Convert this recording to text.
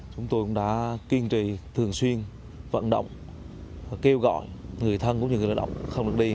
chúng tôi cũng đã kiên trì thường xuyên vận động kêu gọi người thân của những người lợi động không được đi